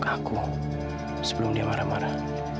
aku yakin dia marah marah